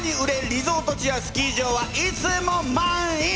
リゾート地やスキー場はいつも満員！